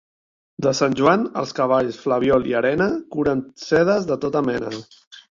De Sant Joan, els cavalls, flabiol i arena, curen sedes de tota mena.